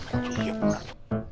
aduh dia pulang